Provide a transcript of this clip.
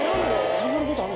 下がることあんの？